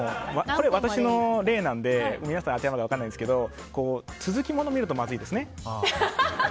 私の例なので、皆さん当てはまるか分かんないんですけど続きものを見るとまずいですね。